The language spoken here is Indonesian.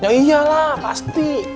ya iyalah pasti